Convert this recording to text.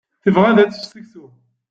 Tebɣa ad tečč seksu.